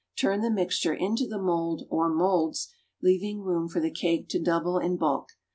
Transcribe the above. Turn the mixture into the mould or moulds, leaving room for the cake to double in bulk.